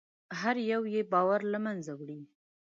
هر یو یې باور له منځه وړي.